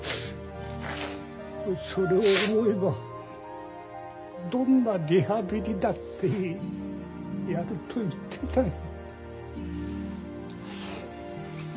それを思えばどんなリハビリだってやると言ってたよ。